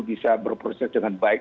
bisa berproses dengan baik